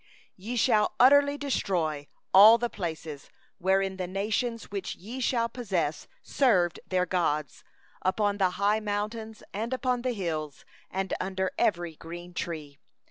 2Ye shall surely destroy all the places, wherein the nations that ye are to dispossess served their gods, upon the high mountains, and upon the hills, and under every leafy tree.